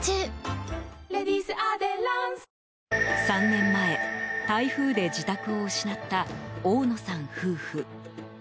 ３年前、台風で自宅を失った大野さん夫婦。